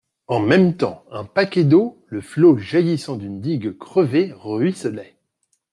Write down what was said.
En même temps, un paquet d'eau, le flot jaillissant d'une digue crevée, ruisselait.